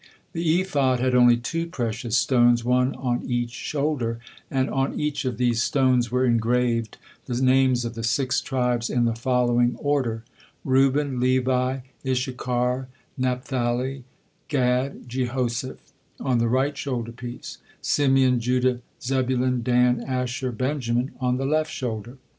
The ephod had only two precious stones, one on each shoulder, and on each of these stones were engraved the names of the six tribes in the following order: Reuben, Levi, Issachar, Naphtali, Gad, Jehoseph, on the right shoulder piece; Simeon, Judah, Zebulun, Dan, Asher, Benjamin, on the left shoulder.